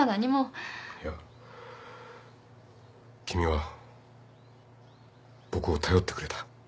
いや君は僕を頼ってくれた。